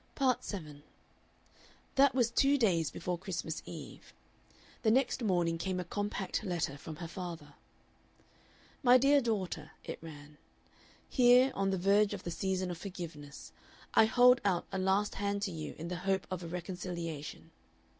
Part 7 That was two days before Christmas Eve. The next morning came a compact letter from her father. "MY DEAR DAUGHTER," it ran, "Here, on the verge of the season of forgiveness I hold out a last hand to you in the hope of a reconciliation.